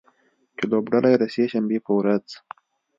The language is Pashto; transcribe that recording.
چې لوبډله یې د سې شنبې په ورځ